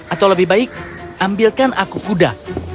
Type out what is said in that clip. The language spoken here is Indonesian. atau lebih baik ambilkan aku kuda